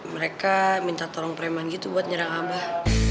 mereka minta tolong preman gitu buat nyerang abah